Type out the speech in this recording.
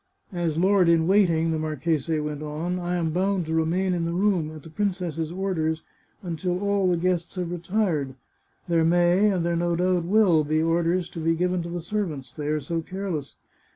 " As lord in waiting," the marchese went on, " I am bound to remain in the room, at the princess's orders, until all the guests have retired. There may, and there no doubt will, be orders to be given to the servants — they are so care less.